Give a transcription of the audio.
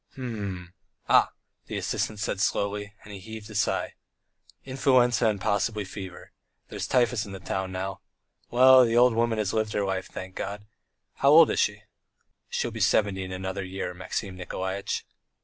"H m ... Ah! ..." the assistant said slowly, and he heaved a sigh. "Influenza and possibly fever. There's typhus in the town now. Well, the old woman has lived her life, thank God. ... How old is she?" "She'll be seventy in another year, Maxim Nikolaitch."